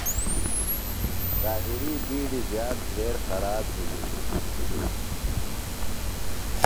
طاہر یۡ بیڈیۡ زیات ڈھیر خراب بھِلیۡ۔